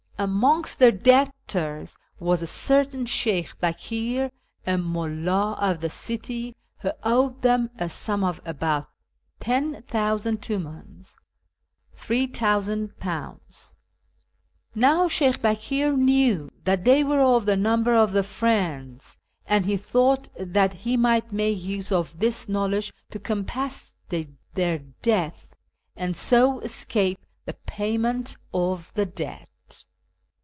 Amongst their debtors was a certain Sheykh Bakir, a mulld of this city, who owed them a sum of about ten thousand tumdns (£.3000). Now Sheykh Bakir knew that they were of the number of the ' Friends,' and he thought that he might make use of this knowledge to compass their death, and so escape the payment of the debt.